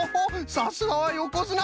さすがはよこづな！